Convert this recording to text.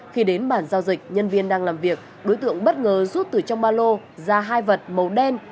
khi đến bản giao dịch nhân viên đang làm việc đối tượng bất ngờ rút từ trong ba lô ra hai vật màu đen